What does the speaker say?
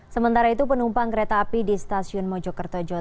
sementara itu penumpang kereta api di stasiun mojokerto jodoh